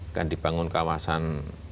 akan dibangun kawasan